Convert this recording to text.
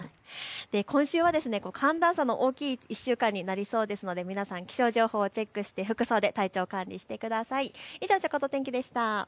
今週は寒暖差が大きい１週間になりそうですので皆さん気象情報を確認して服装を管理してください。